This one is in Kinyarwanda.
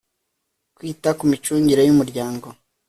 Kwita ku micungire y umuryango